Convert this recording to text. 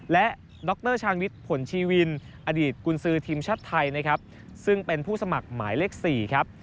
และดรชวิทย์ผลชีวินอดีตกุญซือทีมชาติไทยซึ่งเป็นผู้สมัครหมายเลข๔